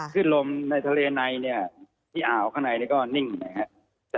ขึ้นลมในทะเลในนะครับข้างในนี่อ่าวข้างในนี่ก็นิ่งนะครับ